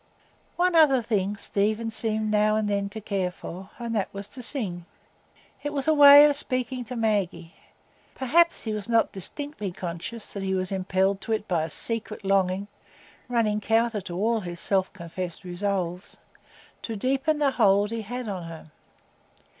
One other thing Stephen seemed now and then to care for, and that was to sing; it was a way of speaking to Maggie. Perhaps he was not distinctly conscious that he was impelled to it by a secret longing—running counter to all his self confessed resolves—to deepen the hold he had on her.